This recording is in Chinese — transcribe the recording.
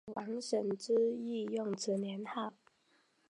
闽太祖王审知亦用此年号。